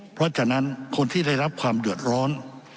เพราะฉะนั้นคนที่ได้รับความเดือดร้อน